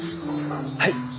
はい。